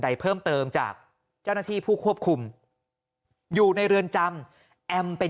เพิ่มเติมจากเจ้าหน้าที่ผู้ควบคุมอยู่ในเรือนจำแอมเป็น